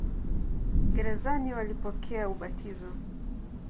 Gerezani walipokea ubatizo.